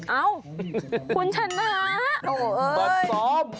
เอ้าคุณชนะโอ๊ยปัดซ้อมปัดซ้อม